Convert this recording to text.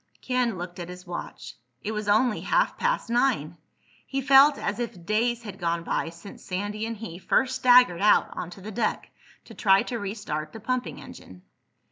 Ken looked at his watch. It was only half past nine! He felt as if days had gone by since Sandy and he first staggered out onto the deck to try to re start the pumping engine.